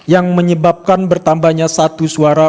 yang menyebabkan bertambahnya satu suara